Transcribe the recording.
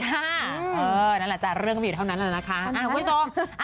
ค่ะเออนั่นแหละจ๊ะเรื่องกันไปอยู่เท่านั้นแล้วนะคะอ่ะคุณสอง